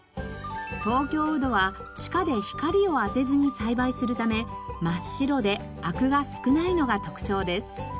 東京ウドは地下で光を当てずに栽培するため真っ白であくが少ないのが特徴です。